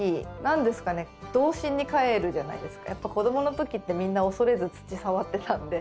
やっぱ子どものときってみんな恐れず土触ってたんで。